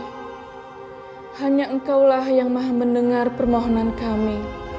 ya allah hanya engkau lah yang maha mendengar permohonan kami